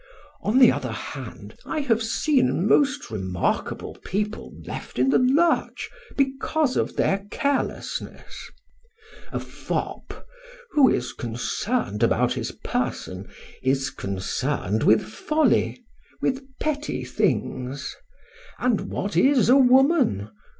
On the other hand, I have seen most remarkable people left in the lurch because of their carelessness. A fop, who is concerned about his person, is concerned with folly, with petty things. And what is a woman?